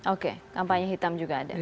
oke kampanye hitam juga ada